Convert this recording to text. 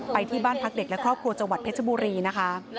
ที่บ้านพักเด็กและครอบครัวจังหวัดเพชรบุรีนะคะ